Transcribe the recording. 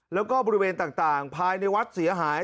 แล้วก็บริเวณต่างภายในวัดเสียหาย